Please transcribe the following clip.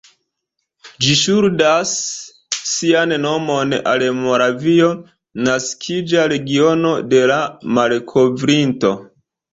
Ĝi ŝuldas sian nomon al Moravio, naskiĝa regiono de la malkovrinto.